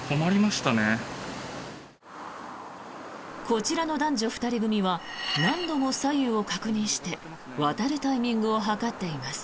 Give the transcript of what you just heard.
こちらの男女２人組は何度も左右を確認して渡るタイミングを計っています。